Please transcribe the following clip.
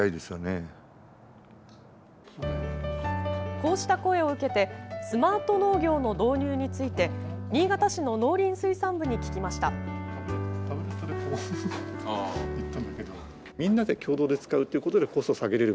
こうした声を受けてスマート農業の導入について新潟市の農林水産部に聞きました。